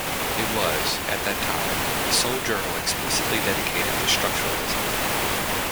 It was, at that time, the sole journal explicitly dedicated to structuralism.